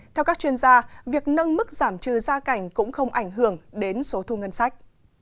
theo các chuyên gia việc nâng mức giảm trừ gia cảnh cũng không ảnh hưởng đến số thu ngân sách